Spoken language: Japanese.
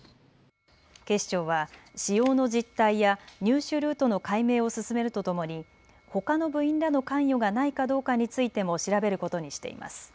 警視庁は使用の実態や入手ルートの解明を進めるとともにほかの部員らの関与がないかどうかについても調べることにしています。